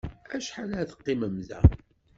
Acḥal ad teqqimem da?